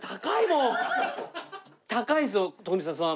高いですよ徳光さん